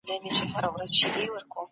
څه شی د بریالۍ ډیپلوماسۍ لپاره ډېر اړین دی؟